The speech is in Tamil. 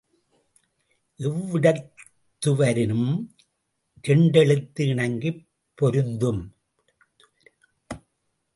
எவ்விடத்துவரினும், இரண்டெழுத்து இணங்கிப் பொருந்தும்.